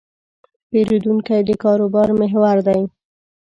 پیرودونکی د کاروبار محور دی.